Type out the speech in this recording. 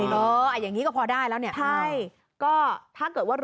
ก็อย่างนี้ก็พอได้แล้วเนี่ยเอ้า